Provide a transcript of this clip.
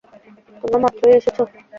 তোমরা মাত্রই এসেছো?